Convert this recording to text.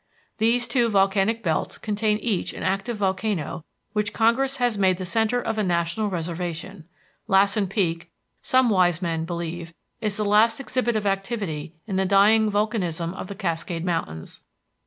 These two volcanic belts contain each an active volcano which Congress has made the centre of a national reservation. Lassen Peak, some wise men believe, is the last exhibit of activity in the dying volcanism of the Cascade Mountains.